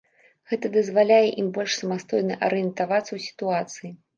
Гэта дазваляе ім больш самастойна арыентавацца ў сітуацыі.